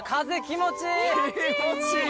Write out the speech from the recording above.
気持ちいい。